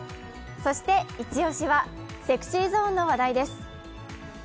そしてイチ押しはＳｅｘｙＺｏｎｅの話題です。